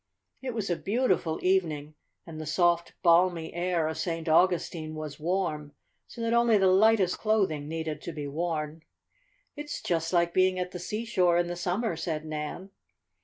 It was a beautiful evening, and the soft, balmy air of St. Augustine was warm, so that only the lightest clothing needed to be worn. "It's just like being at the seashore in the summer," said Nan.